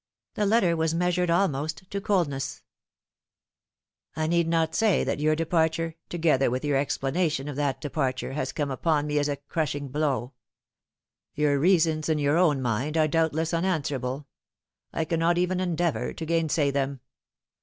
The letter was measured almost to coldness :" I need not say that your departure, together with your explanation of that departure, has come upon me as a crushing blow. Your reasons in your own mind are doubtless unanswer able. I cannot even endeavour to gainsay them.